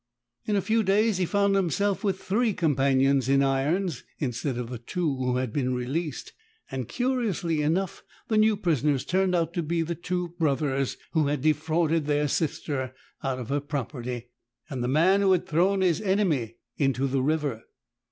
In a few days he found himself with three companions in irons, instead of the two who had been released, and curi ously enough the new prisoners turned out to be the two brothers who had defrauded their sister out of her property, and the man who had thrown his enemy into the river.